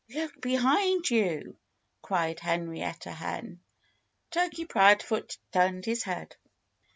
"Look behind you!" cried Henrietta Hen. Turkey Proudfoot turned his head.